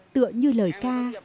tựa như lời ca